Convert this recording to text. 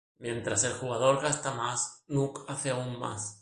Mientras el jugador gasta más, Nook hace aún más.